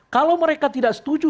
kalau mereka tidak setuju